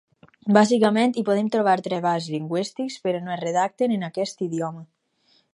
Bàsicament hi podem trobar treballs lingüístics, però no es redacten en aquest idioma.